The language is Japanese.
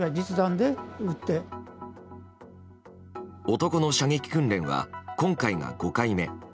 男の射撃訓練は今回が５回目。